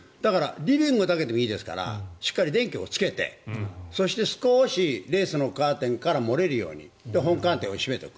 リビングだけでもいいですからしっかり電気をつけてそして少しレースのカーテンから漏れるように本カーテンを閉めておく。